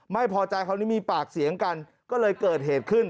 ไม่พอใจคราวนี้มีปากเสียงกันก็เลยเกิดเหตุขึ้น